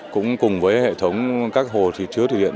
cũng cùng với hệ thống các hồ thủy điện